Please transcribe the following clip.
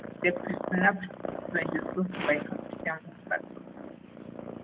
This presynaptic event is caused by calcium influx.